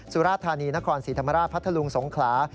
สุราธานีนครศรีธรรมราชพัทธลุงสงขลา